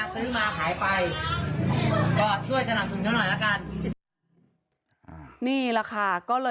ซื้อมาขายไปก็ช่วยขนาดทุนเขาน่ะกัน